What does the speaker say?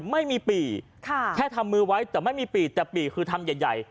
ไม่มีปี่แค่ทำมือไว้แต่ไม่มีปีแต่ปี่คือทำใหญ่